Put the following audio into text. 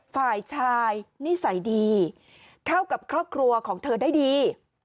ฝ่ายชายนิสัยดีเข้ากับครอบครัวของเธอได้ดี